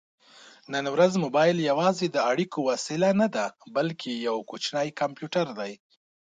نن ورځ مبایل یوازې د اړیکې وسیله نه ده، بلکې یو کوچنی کمپیوټر دی.